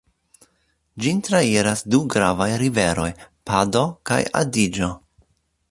Ĝin trairas du gravaj riveroj, Pado kaj Adiĝo.